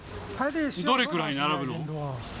どれくらい並ぶの？